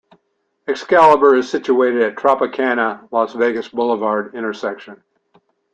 Excalibur is situated at the Tropicana - Las Vegas Boulevard intersection.